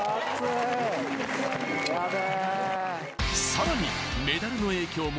さらに、メダルの影響も